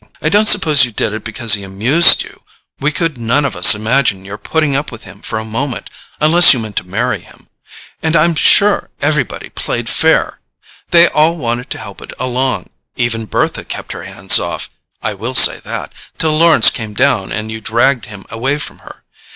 I don't suppose you did it because he amused you; we could none of us imagine your putting up with him for a moment unless you meant to marry him. And I'm sure everybody played fair! They all wanted to help it along. Even Bertha kept her hands off—I will say that—till Lawrence came down and you dragged him away from her.